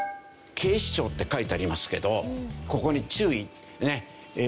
「警視庁」って書いてありますけどここに「注意」ってね。